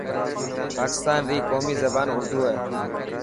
پاڪستان ري قومي زبان اردو هي.